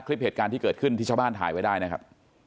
คลิปเหตุการณ์ที่เกิดขึ้นที่ชาวบ้านถ่ายไว้ได้นะครับ